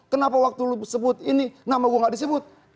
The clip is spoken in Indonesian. kenapa waktu lo sebut ini nama gue gak disebut